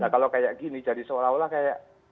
kalau kayak gini jadi seolah olah kayak